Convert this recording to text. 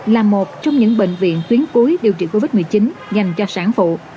là một trong những bệnh viện tuyến cuối điều trị covid một mươi chín dành cho sản phụ